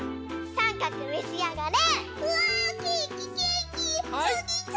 さんかくめしあがれ！